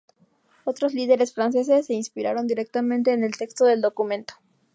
Otros líderes franceses se inspiraron directamente en el texto del documento.